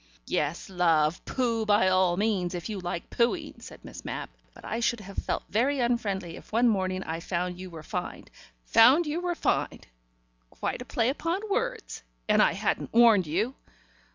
"Yes, love, pooh by all means, if you like poohing!" said Miss Mapp. "But I should have felt very unfriendly if one morning I found you were fined found you were fined quite a play upon words and I hadn't warned you."